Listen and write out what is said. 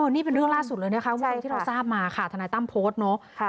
นี่เป็นเรื่องล่าสุดเลยนะคะเมื่อวานที่เราทราบมาค่ะทนายตั้มโพสต์เนาะ